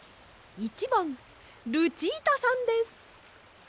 １ばんルチータさんです。